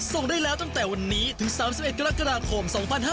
ส่งได้แล้วตั้งแต่วันนี้ถึง๓๑กรกฎาคม๒๕๕๙